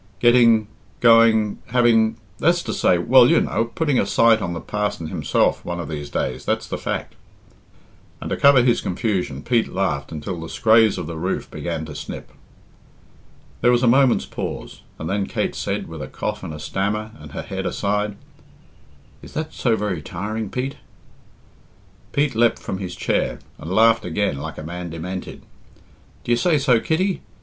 "Getting going having that's to say well, you know, putting a sight on the parson himself one of these days, that's the fact." And, to cover his confusion, Pete laughed till the scraas of the roof began to snip. There was a moment's pause, and then Kate said, with a cough and a stammer and her head aside, "Is that so very tiring, Pete?" Pete leapt from his chair and laughed again like a man demented. "D'ye say so, Kitty?